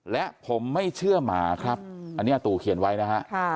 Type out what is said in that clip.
และผมไม่เชื่อหมาครับอันนี้อาตู่เขียนไว้นะฮะ